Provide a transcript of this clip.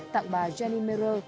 tặng bà jenny merer